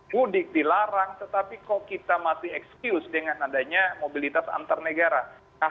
mudik dilarang tetapi kok kita masih excuse dengan adanya mobilitas antar negara